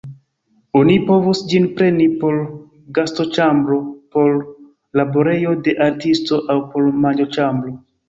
Oni povus ĝin preni por gastoĉambro, por laborejo de artisto aŭ por manĝoĉambro.